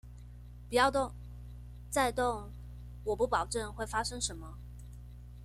不要動，再動我不保證會發生什麼